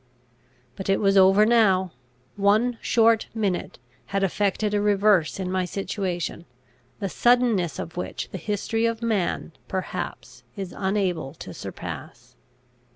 But it was over now. One short minute had effected a reverse in my situation, the suddenness of which the history of man, perhaps is unable to surpass.